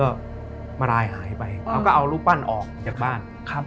ก็มารายหายไปแล้วก็เอารูปปั้นออกจากบ้าน